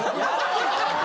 ハハハハ！